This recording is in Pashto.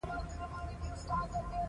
فریدګل له دې حالت څخه ډېر وارخطا ښکارېده